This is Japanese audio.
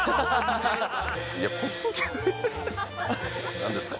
何ですか？